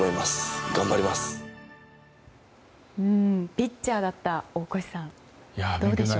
ピッチャーだった大越さんどうでしょう？